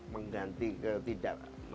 mengganti ke tidak